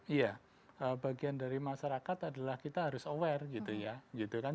iya bagian dari masyarakat adalah kita harus aware gitu ya